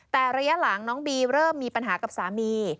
แต่ระยะหลังน้องบีเริ่มมีปัญหากับสามี